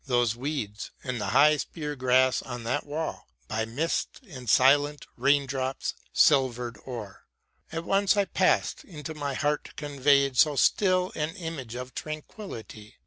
Those weeds, and the high spear grass on that wall. By mist and silent rain drops silver'd o'er. As once I passed, into my heart conveyed So still an image of tranquillity.